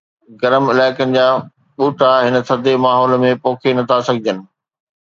گرم علائقن جا ٻوٽا هن ٿڌي ماحول ۾ پوکي نٿا سگهن